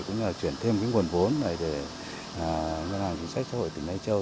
cũng như là chuyển thêm cái nguồn vốn này để nhà hành chính sách xã hội tỉnh lai châu